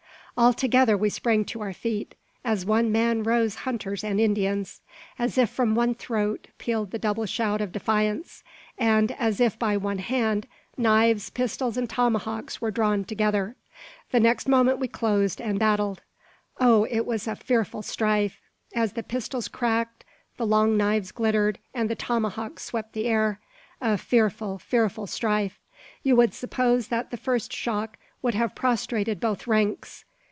All together we sprang to our feet. As one man rose hunters and Indians. As if from one throat, pealed the double shout of defiance; and, as if by one hand, knives, pistols, and tomahawks were drawn together. The next moment we closed and battled! Oh! it was a fearful strife, as the pistols cracked, the long knives glittered, and the tomahawks swept the air; a fearful, fearful strife! You would suppose that the first shock would have prostrated both ranks.